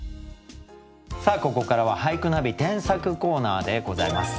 ここからは「俳句ナビ添削コーナー」でございます。